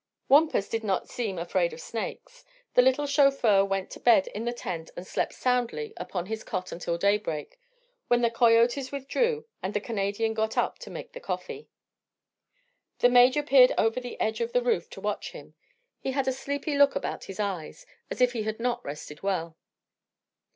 Wampus did not seem afraid of snakes. The little chauffeur went to bed in the tent and slept soundly upon his cot until daybreak, when the coyotes withdrew and the Canadian got up to make the coffee. The Major peered over the edge of the roof to watch him. He had a sleepy look about his eyes, as if he had not rested well.